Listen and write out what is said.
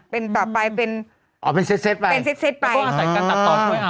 เป็นต่อไปเป็นอ๋อเป็นเซตเซตไปเป็นเซตเซตไปแล้วก็อาศัยการตัดตอนไว้เอา